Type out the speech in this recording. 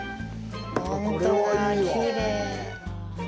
きれい。